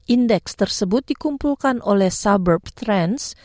indeks tersebut dikumpulkan oleh suburb trends